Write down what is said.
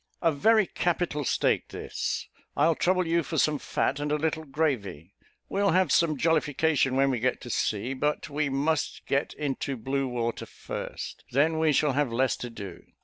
"A very capital steak this! I'll trouble you for some fat and a little gravy. We'll have some jollification when we get to sea; but we must get into blue water first: then we shall have less to do.